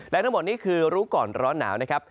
และทั้งหมดนี้คือรู้ก่อนร้อนหนาวนะครับ